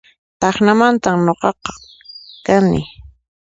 Tacnamantan nuqaqa kani